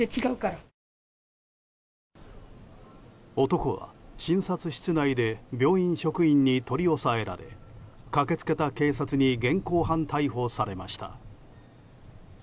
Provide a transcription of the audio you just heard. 男は診察室内で病院職員に取り押さえられ駆け付けた警察に現行犯逮捕されました。